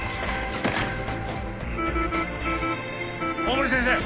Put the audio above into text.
・大森先生。